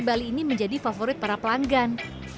bali ini menjadi favorit para pelanggan